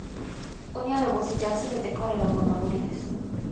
ここにある墓石は、すべて彼らの…名残です